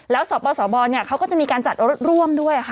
แล้วสบสบเขาก็จะมีการจัดรวมด้วย